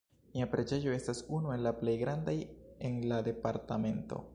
Nia preĝejo estas unu el la plej grandaj en la departamento.